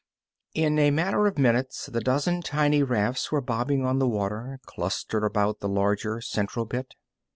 In a matter of minutes the dozen tiny rafts were bobbing on the water, clustered about the larger, central bit.